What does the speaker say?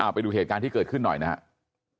ไปดูเหตุการณ์ที่เกิดขึ้นหน่อยนะครับ